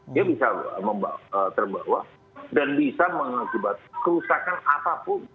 dia bisa terbawa dan bisa mengakibatkan kerusakan apapun